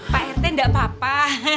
pak r t enggak apa apa